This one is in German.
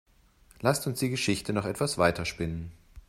Lasst uns die Geschichte noch etwas weiter spinnen.